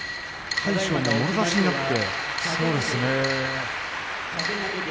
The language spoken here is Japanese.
魁勝はもろ差しになって。